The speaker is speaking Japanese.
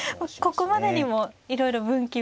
ここまでにもいろいろ分岐は。